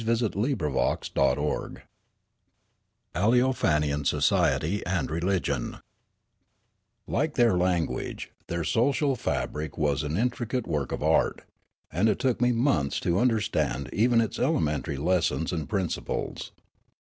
CHAPTER V ALEOFANIAN SOCIETY AND RELIGION LIKE their language, their social fabric was an in tricate work of art, and it took me months to understand even its elementary lessons and principles.